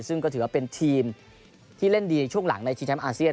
ซึ่งก็ถือว่าเป็นทีมที่เล่นดีในช่วงหลังในชิงแชมป์อาเซียน